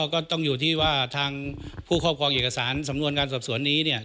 ก็ต้องอยู่ที่ว่าทางผู้ครอบครองเอกสารสำนวนการสอบสวนนี้เนี่ย